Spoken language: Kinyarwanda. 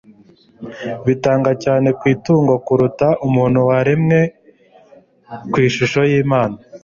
Bitaga cyane ku itungo kuruta umuntu waremwe ku ishusho y'Imana,